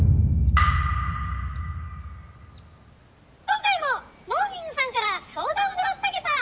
「今回もモーニングさんから相談もらったゲタ」。